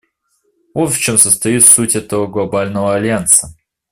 Вот в чем состоит суть этого Глобального альянса.